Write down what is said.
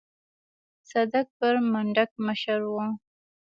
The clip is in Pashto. صدک پر منډک مشر و.